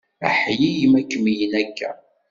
Aḥlil ma kemmlen akka!